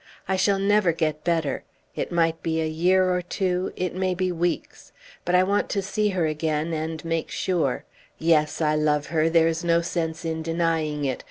I shall never get better; it might be a year or two, it may be weeks. But I want to see her again and make sure. Yes, I love her! There is no sense in denying it.